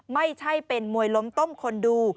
ไม่ใช่เป็นมวยล้มต้มคนดู